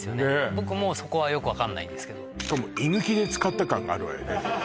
僕もそこはよく分かんないですけどしかも居抜きで使った感があるわよね